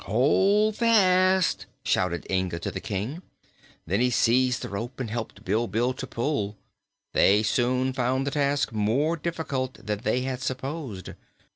"Hold fast!" shouted Inga to the King. Then he seized the rope and helped Bilbil to pull. They soon found the task more difficult than they had supposed.